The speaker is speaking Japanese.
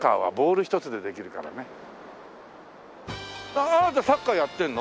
あなたサッカーやってるの？